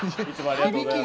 響きが。